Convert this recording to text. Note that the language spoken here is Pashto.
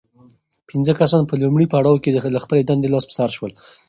پنځه کسان په لومړي پړاو کې له خپلې دندې لاس په سر شول.